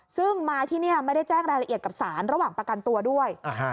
ซึ่งมาที่นี่ไม่ได้แจ้งรายละเอียดกับศาลระหว่างประกันตัวด้วย